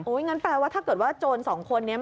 งั้นแปลว่าถ้าเกิดว่าโจรสองคนนี้